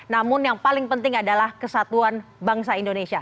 namun yang paling penting adalah kesatuan bangsa indonesia